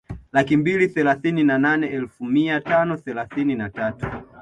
Laki mbili thelathini na nane elfu mia tano thelathini na tatu